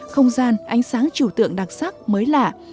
không gian ánh sáng chiều tượng đặc sắc mới lạ